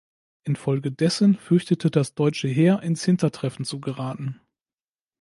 Infolgedessen fürchtete das Deutsche Heer ins Hintertreffen zu geraten.